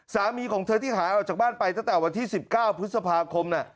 สามีของเธอที่หายออกจากบ้านไปตั้งแต่วันที่๑๙พฤษภาคม